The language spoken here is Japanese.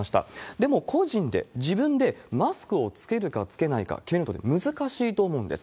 でも、個人で、自分でマスクを着けるか着けないか、決めるっていうのは難しいと思うんです。